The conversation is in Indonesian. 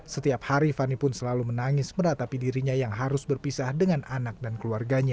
setiap hari fani pun selalu menangis meratapi dirinya yang harus berpisah dengan anak dan keluarganya